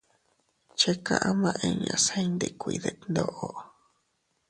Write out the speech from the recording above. Chika ama inña se iyndikuiy detndoʼo.